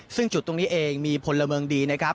ซึ่งจุดตรงนี้เองมีผลเทพธรรมดี